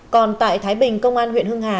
còn tại thái bình công an huyện hưng hà